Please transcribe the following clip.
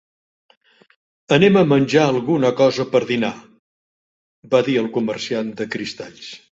"Anem a menjar alguna cosa per dinar" va dir el comerciant de cristalls.